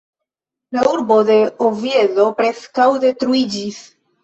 La urbo de Oviedo preskaŭ detruiĝis.